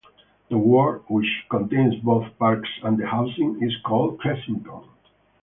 The ward, which contains both parks and the housing, is called Cressington.